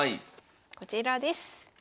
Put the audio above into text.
こちらです。